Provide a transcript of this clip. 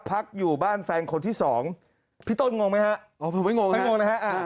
พักอยู่บ้านแฟนคนที่๒พี่ต้นงงไหมฮะพี่ต้นไม่งงนะฮะ